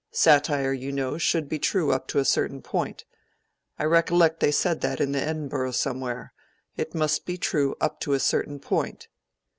Satire, you know, should be true up to a certain point. I recollect they said that in 'The Edinburgh' somewhere—it must be true up to a certain point."